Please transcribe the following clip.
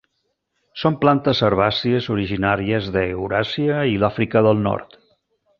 Són plantes herbàcies originàries d'Euràsia i l'Àfrica del nord.